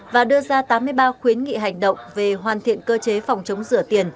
và đưa ra tám mươi ba khuyến nghị hành động về hoàn thiện cơ chế phòng chống rửa tiền